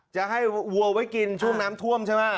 จะให้วัวไว้กินช่วงน้ำท่วมใช่ไหม